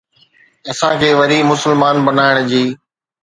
اسان کي وري مسلمان بنائڻ جي؟